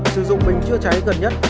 sử dụng bình chữa cháy gần nhất